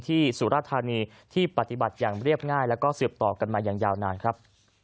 สุรธานีที่ปฏิบัติอย่างเรียบง่ายแล้วก็สืบต่อกันมาอย่างยาวนานครับ